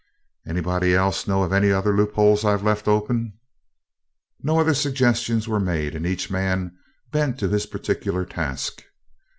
Anybody else know of any other loop holes I've left open?" No other suggestions were made, and each man bent to his particular task.